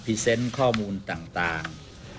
เซนต์ข้อมูลต่าง